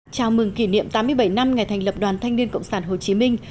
chào mừng kỷ niệm tám mươi bảy năm ngày thành lập đoàn thanh niên cộng sản hồ chí minh